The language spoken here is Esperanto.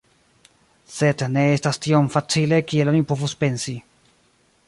Sed ne estas tiom facile kiel oni povus pensi.